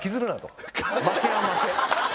負けは負け。